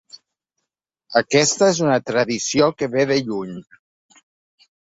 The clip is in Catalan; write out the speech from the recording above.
Aquesta és una tradició que ve de lluny.